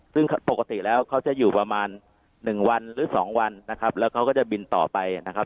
ซึ่งปกติแล้วเขาจะอยู่ประมาณ๑วันหรือ๒วันนะครับแล้วเขาก็จะบินต่อไปนะครับ